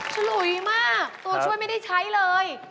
ฉลุยมากตัวช่วยไม่ได้ใช้เลย